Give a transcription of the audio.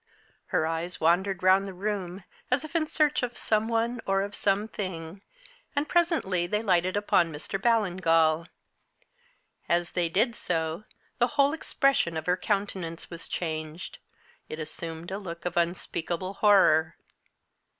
Her eyes wandered round the room, as if in search of some one or of something, and presently they lighted upon Mr. Ballingall. As they did so, the whole expression of her countenance was changed; it assumed a look of unspeakable horror.